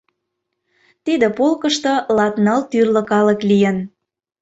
Тиде полкышто латныл тӱрлӧ калык лийын.